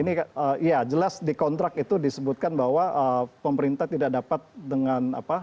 ini iya jelas di kontrak itu disebutkan bahwa pemerintah tidak dapat dengan apa